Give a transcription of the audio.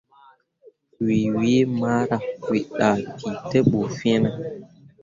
Wǝ yiimara, wǝ dahki te ɓu fine.